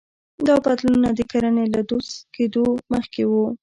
دا بدلونونه د کرنې له دود کېدو مخکې وو